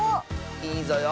いいぞよ。